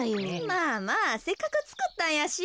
まあまあせっかくつくったんやし。